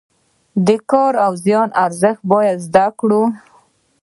د کار او زیار ارزښت باید زده کړو.